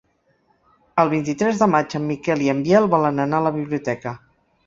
El vint-i-tres de maig en Miquel i en Biel volen anar a la biblioteca.